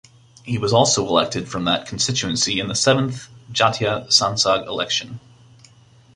He was also elected from that constituency in the Seventh Jatiya Sangsad Election.